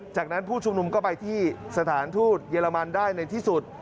จากนั้นผู้ชุมนุมก็ไปที่สถานทูตเยอรมันได้ในที่สุด